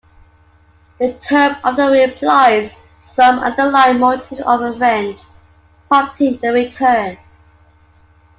The term often implies some underlying motive of revenge prompting the return.